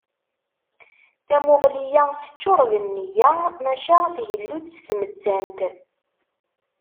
Tamuɣli-a teččur d nniya, maca tgellu-d s tmettant.